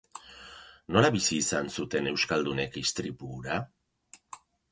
Nola bizi izan zuten euskaldunek istripu hura?